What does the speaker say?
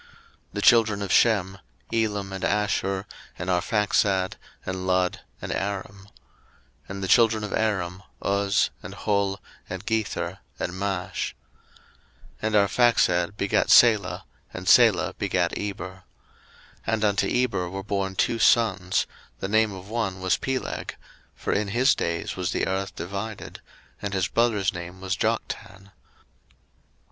01:010:022 The children of Shem; Elam, and Asshur, and Arphaxad, and Lud, and Aram. 01:010:023 And the children of Aram; Uz, and Hul, and Gether, and Mash. 01:010:024 And Arphaxad begat Salah; and Salah begat Eber. 01:010:025 And unto Eber were born two sons: the name of one was Peleg; for in his days was the earth divided; and his brother's name was Joktan.